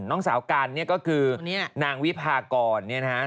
น้องสาวกันก็คือนางวิพากร